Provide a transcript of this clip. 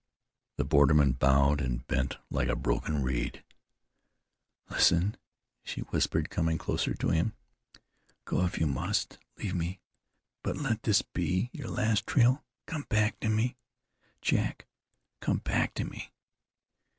The borderman bowed and bent like a broken reed. "Listen," she whispered, coming closer to him, "go if you must leave me; but let this be your last trail. Come back to me, Jack, come back to me!